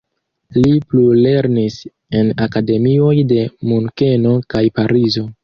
Li plulernis en akademioj de Munkeno kaj Parizo.